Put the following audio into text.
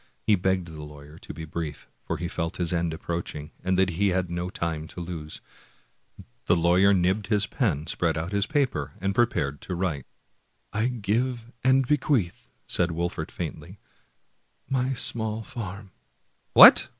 He begged the lawyer to be brief, for he felt his end approaching, and that he had no time to lose. The lawyer nibbed ^ his pen, spread out his paper, and prepared to write. " I give and bequeath," said Wolfert faintly, " my small farm "" What!